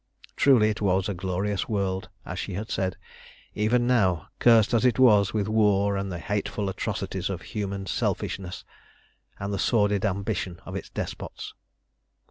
Truly it was a glorious world, as she had said, even now, cursed as it was with war and the hateful atrocities of human selfishness, and the sordid ambition of its despots.